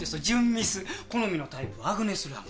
好みのタイプがアグネス・ラム。